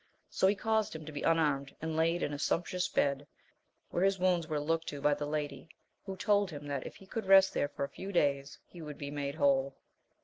So he caused him to be unarmed, and laid in a sumptuous bed, where his wounds were looked to by the lady, who told him that if he could rest there for a few^ days, he would be made whole.